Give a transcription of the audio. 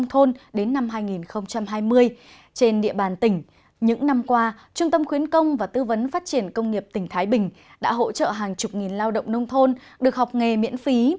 hôm qua trung tâm khuyến công và tư vấn phát triển công nghiệp tỉnh thái bình đã hỗ trợ hàng chục nghìn lao động nông thôn được học nghề miễn phí